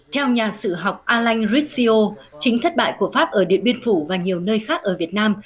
theo nhà sự học alain rissio chính thất bại của pháp ở điện biên phủ và nhiều nơi khác ở việt nam